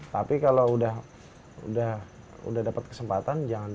tapi kalau udah dapat kesempatan